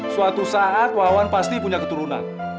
suatu saat wawan pasti punya keturunan